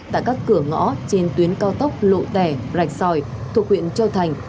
tại các cửa ngõ trên tuyến cao tốc lộ tẻ rạch sòi thuộc huyện châu thành